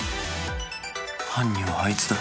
犯人はあいつだ。